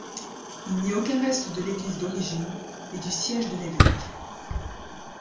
Il n'y a aucun reste de l'église d'origine et du siège de l'évêque.